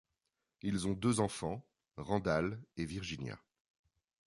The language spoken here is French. Ils ont deux enfants, Randale et Virginia.